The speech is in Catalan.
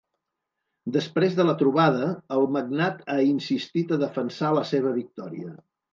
Després de la trobada, el magnat ha insistit a defensar la seva victòria.